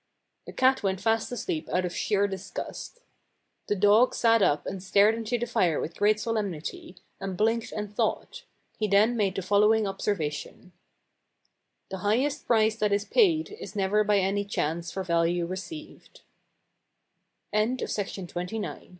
The cat went fast asleep out of sheer disgust. The dog sat up and stared into the fire with great solemnity, and blinked and thought. He then made the following observation : "The highest price that is paid is never by any chance for value r